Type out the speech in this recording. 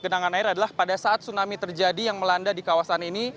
genangan air adalah pada saat tsunami terjadi yang melanda di kawasan ini